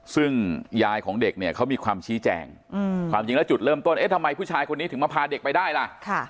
ซึ่งยายของเด็กเนี่ยเขามีความชี้แจงความจริงแล้วจุดเริ่มต้นเอ๊ะทำไมผู้ชายคนนี้ถึงมาพาเด็กไปได้ล่ะ